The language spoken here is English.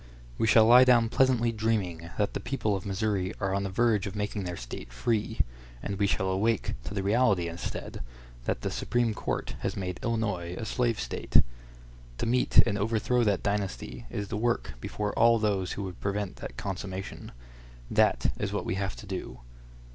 We shall lie down pleasantly dreaming that the people of Missouri are on the verge of making their State free, and we shall awake to the reality, instead, that the Supreme Court has made Illinois a slave State. To meet and overthrow that dynasty is the work before all those who would prevent that consummation. That is what we have to do.